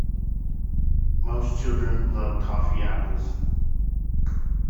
Most children love toffee apples